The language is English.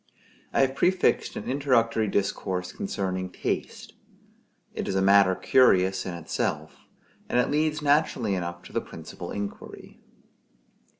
I have prefixed an introductory discourse concerning Taste; it is a matter curious in itself; and it leads naturally enough to the principal inquiry.